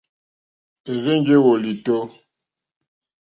Érzènjé wòlìtó.